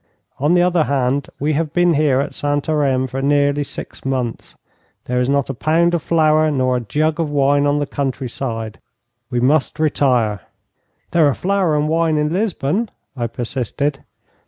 On the other hand, we have been here at Santarem for nearly six months. There is not a pound of flour nor a jug of wine on the countryside. We must retire.' 'There are flour and wine in Lisbon,' I persisted.